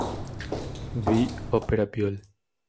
B, Opera Biol.